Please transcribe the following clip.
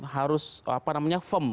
harus apa namanya firm